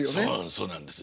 そうなんです。